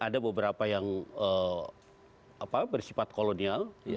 ada beberapa yang bersifat kolonial